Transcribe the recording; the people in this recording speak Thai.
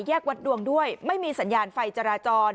วัดดวงด้วยไม่มีสัญญาณไฟจราจร